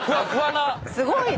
すごいね！